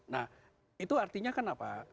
nah itu artinya kan apa